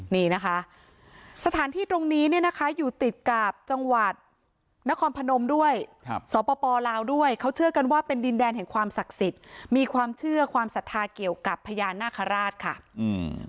นี่นะคะสถานที่ตรงนี้เนี่ยนะคะอยู่ติดกับจังหวัดนครพนมด้วยครับสปลาวด้วยเขาเชื่อกันว่าเป็นดินแดนแห่งความศักดิ์สิทธิ์มีความเชื่อความศรัทธาเกี่ยวกับพญานาคาราชค่ะอืม